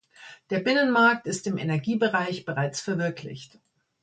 Der Binnenmarkt ist im Energiebereich bereits verwirklicht.